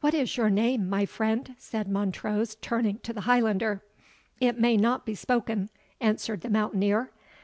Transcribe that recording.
"What is your name, my friend?" said Montrose, turning to the Highlander. "It may not be spoken," answered the mountaineer.